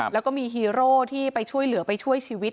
แล้วก็มีฮีโร่ที่ไปช่วยเหลือไปช่วยชีวิต